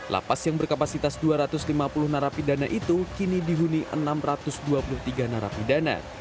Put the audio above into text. lapas yang berkapasitas dua ratus lima puluh narapidana itu kini dihuni enam ratus dua puluh tiga narapidana